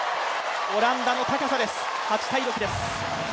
オランダの高さです。